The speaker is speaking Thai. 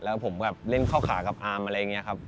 แล้วผมแบบเล่นเข้าขากับอาร์มอะไรอย่างนี้ครับ